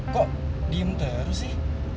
kok diem terus sih